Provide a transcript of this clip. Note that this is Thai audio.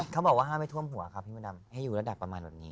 เขาบอกว่าห้ามไม่ท่วมหัวครับพี่มดดำให้อยู่ระดับประมาณแบบนี้